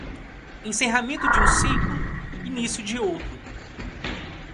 Encerramento de um ciclo, início de outro